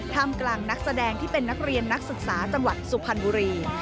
ทำกลางนักแสดงที่เป็นนักเรียนนักศึกษาจังหวัดสุพรรณบุรี